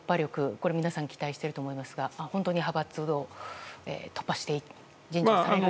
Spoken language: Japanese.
これ、皆さん期待していると思いますが本当に派閥を突破して人事をされる？